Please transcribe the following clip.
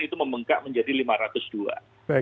itu memengkak menjadi rp lima ratus dua triliun